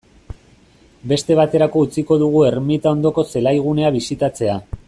Beste baterako utziko dugu ermita ondoko zelaigunea bisitatzea.